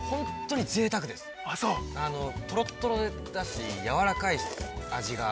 ◆とろっとろだし、やわらかい、味が。